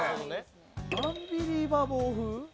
「『アンビリバボー』風」？